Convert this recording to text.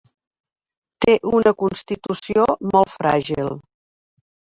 Té una constitució molt fràgil.